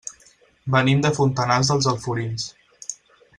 Venim de Fontanars dels Alforins.